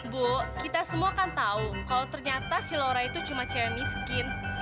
bu kita semua kan tahu kalau ternyata shilora itu cuma cewek miskin